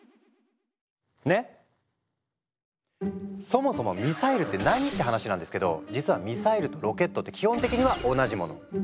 そもそもミサイルって何って話なんですけど実はミサイルとロケットって基本的には同じもの。